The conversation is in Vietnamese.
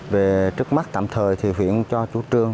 về trước mắt tạm thời thì huyện cho chú trương